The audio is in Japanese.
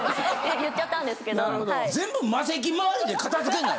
言っちゃったんですけどはい。